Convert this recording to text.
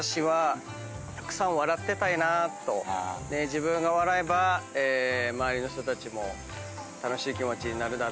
自分が笑えば周りの人たちも楽しい気持ちになるだろう。